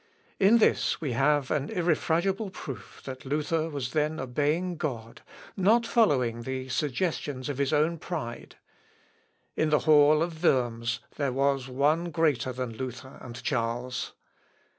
In this we have an irrefragable proof that Luther was then obeying God not following the suggestions of his own pride. In the hall of Worms there was One greater than Luther and Charles.